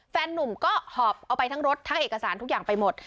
แฟนนุ่มก็หอบเอาไปทั้งรถทั้งเอกสารทุกอย่างไปหมด